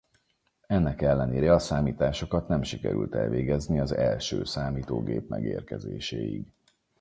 Ennek ellenére a számításokat nem sikerült elvégezni az első számítógép megérkezéséig.